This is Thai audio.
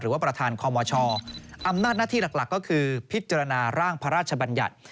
ประธานคอมชอำนาจหน้าที่หลักก็คือพิจารณาร่างพระราชบัญญัติ